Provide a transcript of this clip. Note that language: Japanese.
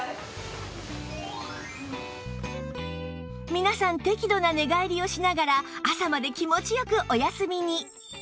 皆さん適度な寝返りをしながら朝まで気持ち良くお休みに